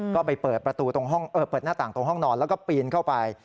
ก็ไปเปิดหน้าต่างตรงห้องนอนแล้วก็ปีนเข้าไป